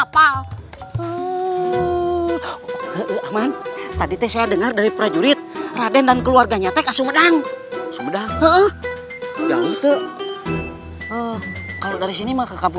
puntan aman puntan saya akan menjaga kamu